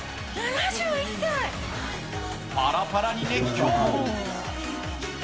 パラパラに熱狂。